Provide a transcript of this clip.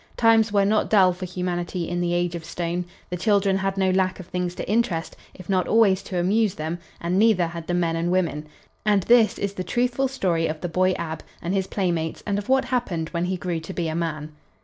Times were not dull for humanity in the age of stone. The children had no lack of things to interest, if not always to amuse, them, and neither had the men and women. And this is the truthful story of the boy Ab and his playmates and of what happened when he grew to be a man.